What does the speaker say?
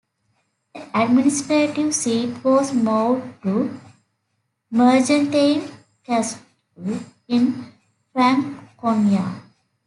The administrative seat was moved to Mergentheim Castle in Franconia.